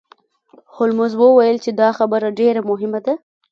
هولمز وویل چې دا خبره ډیره مهمه ده.